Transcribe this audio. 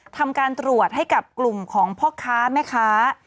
ทำการตรวจให้กับกลุ่มของพ่อค้าแม่ค้า